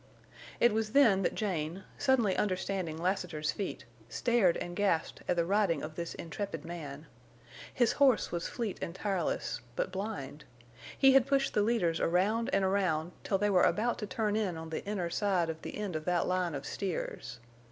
It was then that Jane, suddenly understanding Lassiter's feat stared and gasped at the riding of this intrepid man. His horse was fleet and tireless, but blind. He had pushed the leaders around and around till they were about to turn in on the inner side of the end of that line of steers.